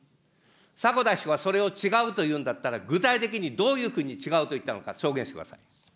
迫田秘書がそれを違うと言うんだったら、具体的にどういうふうに違うと言ったのか、証言してください。